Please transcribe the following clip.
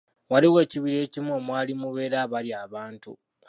Waliwo ekibira ekimu omwali mubeera abalya abantu.